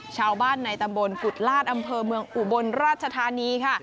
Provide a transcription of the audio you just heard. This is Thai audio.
ชาวบ้านในตำบลกุฎลาศอำเภอเมืองอุบลราชธานีค่ะ